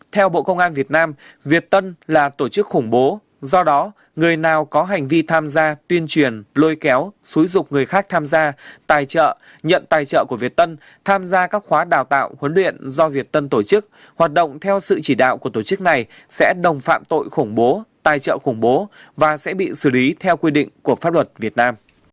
theo bộ công an việt nam việt tân là tổ chức khủng bố do đó người nào có hành vi tham gia tuyên truyền lôi kéo xúi dục người khác tham gia tài trợ nhận tài trợ của việt tân tham gia các khóa đào tạo huấn luyện do việt tân tổ chức hoạt động theo sự chỉ đạo của tổ chức này sẽ đồng phạm tội khủng bố tài trợ khủng bố và sẽ bị xử lý theo quy định của pháp luật việt nam